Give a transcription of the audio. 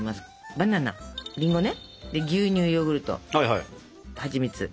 バナナりんごね牛乳ヨーグルトはちみつ。